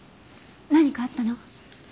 何かあったの？